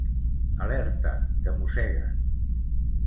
Alerta que mosseguen!